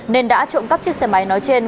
nên đã trộm cắp chiếc xe máy nói trên